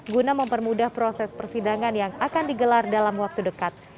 guna mempermudah proses persidangan yang akan digelar dalam waktu dekat